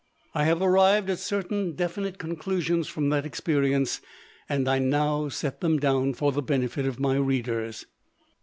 I have arrived at certain definite conclusions from that experience, and I now set them down for the benefit of my readers.